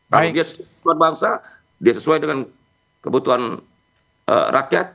tapi dia sesuai buat bangsa dia sesuai dengan kebutuhan rakyat